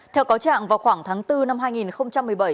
theo cáo trạng vào khoảng tháng bốn năm hai nghìn một mươi bảy